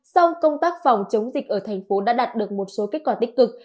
song công tác phòng chống dịch ở thành phố đã đạt được một số kết quả tích cực